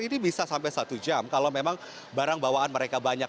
ini bisa sampai satu jam kalau memang barang bawaan mereka banyak